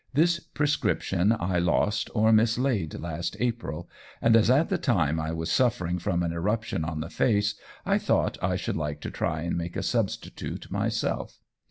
This prescription I lost or mislaid last April, and as at the time I was suffering from an eruption on the face I thought I should like to try and make a substitute myself.